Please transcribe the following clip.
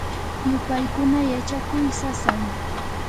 yupaykuna yachakuy sasam.